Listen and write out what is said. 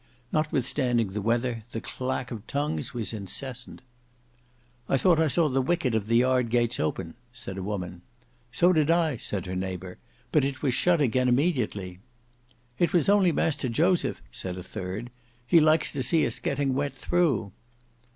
Notwithstanding the weather, the clack of tongues was incessant. "I thought I saw the wicket of the yard gates open," said a woman. "So did I," said her neighbour; "but it was shut again immediately." "It was only Master Joseph," said a third. "He likes to see us getting wet through."